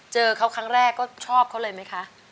เจอเขาครั้งแรกก็ชอบเขาเลยไหมคะ